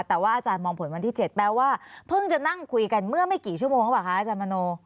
แต่ว่าอาจารย์มองผลวันที่๗แปลว่าเพิ่งจะนั่งคุยกันเมื่อไม่กี่ชั่วโมงหรือเปล่าคะอาจารย์มโน